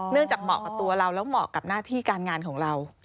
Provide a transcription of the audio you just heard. จากเหมาะกับตัวเราแล้วเหมาะกับหน้าที่การงานของเรา